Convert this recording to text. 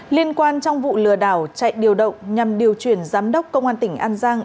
liên quan trong vụ lừa đảo chạy điều động nhằm điều chuyển giám đốc công an tỉnh an giang